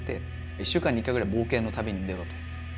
１週間に１回ぐらい冒険の旅に出ろと。